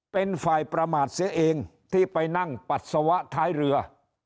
เป็นฝ่ายประมาทเสียเองที่ไปนั่งปัสสาวะท้ายเรือ